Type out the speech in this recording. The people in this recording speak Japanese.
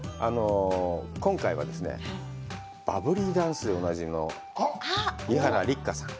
今回はですね、バブリーダンスでおなじみの、伊原六花さん。